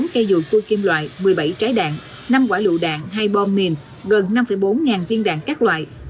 hai mươi bốn cây dùi cua kim loại một mươi bảy trái đạn năm quả lụ đạn hay bom mìn gần năm bốn ngàn viên đạn các loại